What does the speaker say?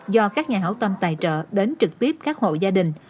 do các nhà hảo tâm tài trợ đến trực tiếp các hộ gia đình